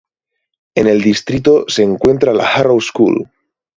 En el distrito se encuentra la Harrow School.